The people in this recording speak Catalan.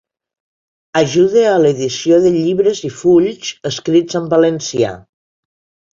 Ajude a l'edició de llibres i fulls escrits en valencià.